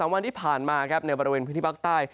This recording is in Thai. วันที่ผ่านมาครับในบริเวณพื้นที่ภาคใต้